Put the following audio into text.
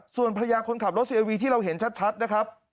ส่วนภรรยาคนขับรถเอวีที่เราเห็นชัดนะครับ